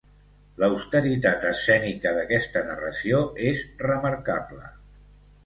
L'austeritat escènica d'aquesta narració és remarcable.